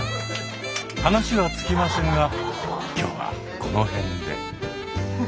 話は尽きませんが今日はこの辺で。